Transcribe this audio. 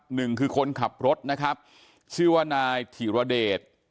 หนึ่งคือคนขับรถนะครับชื่อว่านายธิรเดช